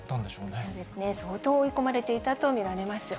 そうですね、相当追い込まれていたと見られます。